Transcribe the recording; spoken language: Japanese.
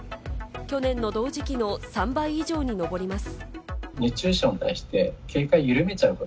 去年の同時期の３倍以上にのぼります。